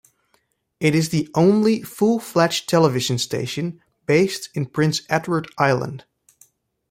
It is the only full-fledged television station based in Prince Edward Island.